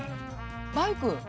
バイク？